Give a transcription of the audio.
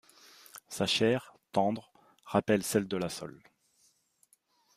Sa chair, tendre, rappelle celle de la sole.